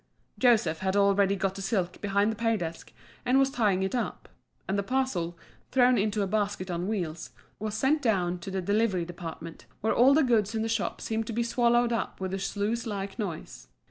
Joseph had already got the silk behind the pay desk, and was tying it up; and the parcel, thrown into a basket on wheels, was sent down to the delivery department, where all the goods in the shop seemed to be swallowed up with a sluice like noise.